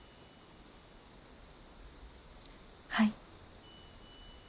はい。